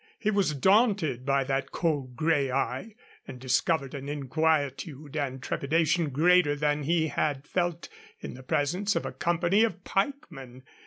He was daunted by that cold, gray eye, and discovered an inquietude and trepidation greater than he had felt in the presence of a company of pikemen.